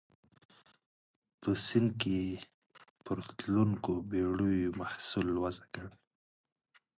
په سیند کې پر تلونکو بېړیو محصول وضع کړ.